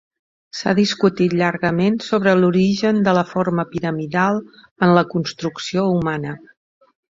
S'ha discutit llargament sobre l'origen de la forma piramidal en la construcció humana.